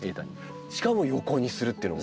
しかも横にするっていうのも。